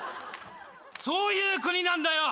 そういう国なんだよ。